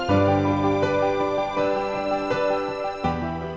masuk aja dulu